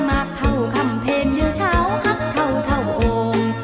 มาเข้าคำเพลงอยู่เช้าหักเข้าเท่าโกง